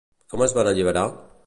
Com es van alliberar?